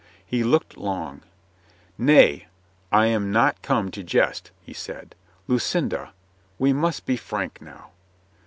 He looked long. "Nay, I am not come to jest," he said. "Lu cinda — we must be frank now."